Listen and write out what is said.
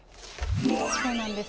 そうなんです。